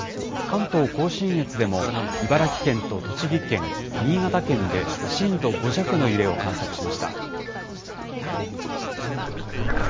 関東甲信越でも、茨城県と栃木県、新潟県で震度５弱の揺れを観測しました。